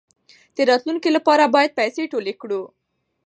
د راتلونکي لپاره باید پیسې ټولې کړو.